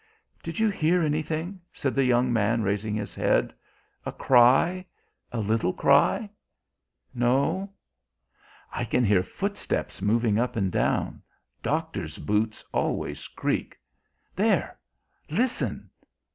"Did you hear anything?" said the young man, raising his head. "A cry, a little cry? No? I can hear footsteps moving up and down. Doctors' boots always creak. There! Listen!